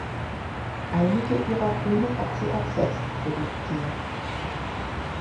Einige ihrer Filme hat sie auch selbst produziert.